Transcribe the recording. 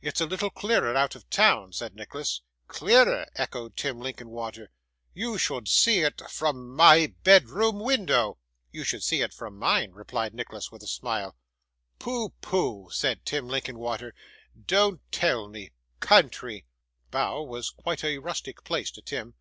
'It's a little clearer out of town,' said Nicholas. 'Clearer!' echoed Tim Linkinwater. 'You should see it from my bedroom window.' 'You should see it from MINE,' replied Nicholas, with a smile. 'Pooh! pooh!' said Tim Linkinwater, 'don't tell me. Country!' (Bow was quite a rustic place to Tim.)